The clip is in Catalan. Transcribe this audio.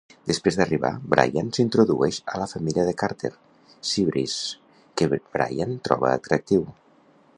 Després d'arribar, Brian s'introdueix a la femella de Carter, Seabreeze, que Brian troba atractiu.